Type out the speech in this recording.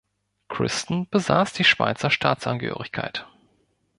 Christen besaß die Schweizer Staatsangehörigkeit.